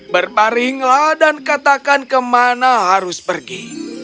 berparinglah dan katakan kemana harus pergi